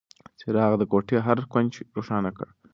څراغ د کوټې هر کونج روښانه کړ.